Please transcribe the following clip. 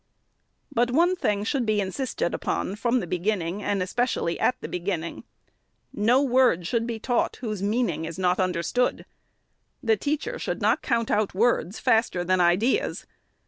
But one thing should be insisted upon,/rom the begin ning, and especially at the beginning. No word should be taught, whose meaning is not understood. The teacher should not count out words faster than ideas.